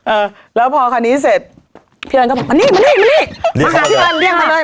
เออแล้วพอคันนี้เสร็จพี่เอิญก็บอกมานี่มานี่มานี่มาหาพี่เอิญเรียกมาเลย